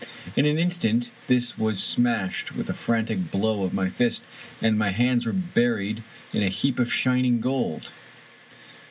In an instant this was smashed with a frantic blow of my fist, and my hands were buried in a heap of shining gold